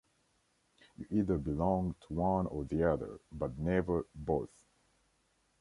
You either belonged to one or the other, but never both.